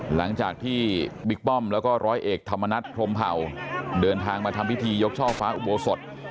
หลังจากที่บิ๊กป้อมแล้วก็ร้อยเอกธรรมนัฐพรมเผ่าเดินทางมาทำพิธียกช่อฟ้าอุโบสถ